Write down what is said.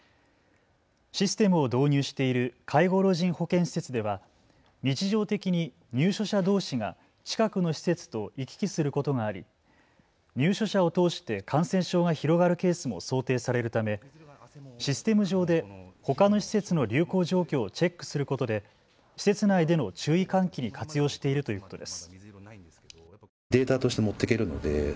システムを導入している介護老人保健施設では日常的に入所者どうしが近くの施設と行き来することがあり入所者を通して感染症が広がるケースも想定されるためシステム上でほかの施設の流行状況をチェックすることで施設内での注意喚起に活用しているということです。